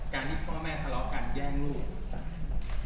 การที่พ่อแม่ทะเลาะกันแย่งลูก